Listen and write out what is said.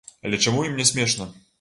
Але чаму ім не смешна?